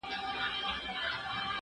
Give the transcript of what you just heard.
دا بشپړ له هغه مهم دي